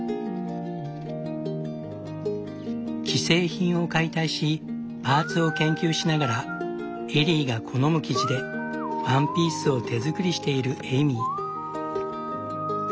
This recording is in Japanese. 既製品を解体しパーツを研究しながらエリーが好む生地でワンピースを手作りしているエイミー。